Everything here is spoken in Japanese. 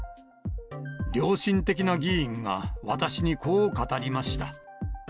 良心的な議員が私にこう語りました。